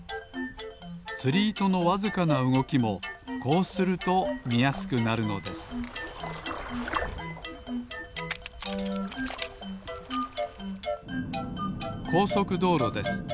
つりいとのわずかなうごきもこうするとみやすくなるのですこうそくどうろです。